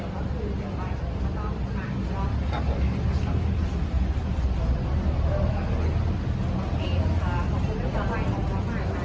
ครับผม